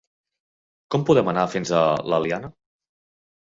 Com podem anar fins a l'Eliana?